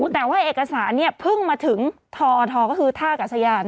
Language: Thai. แต่ว่าเอกสารเนี่ยเพิ่งมาถึงทอทก็คือท่ากัศยาน